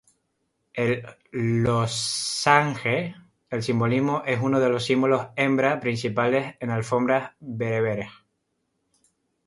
El losange el simbolismo es uno de los símbolos hembra principales en alfombras bereberes.